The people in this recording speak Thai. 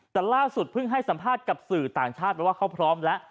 แต่ล่าสุดเพิ่งให้สัมภาษณ์กับสื่อต่างชาติไปว่าเขาพร้อมแล้ว